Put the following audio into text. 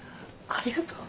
ありがとう。